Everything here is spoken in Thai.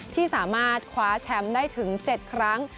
ที่สามารถคว้าแชมป์ได้ถึง๗ครั้ง